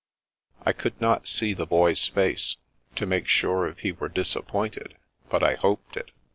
I could not see the Boy's face, to make sure if he were disappointed, but I hoped it.